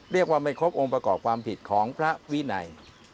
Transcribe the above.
ไม่ครบองค์ประกอบความผิดของพระวินัย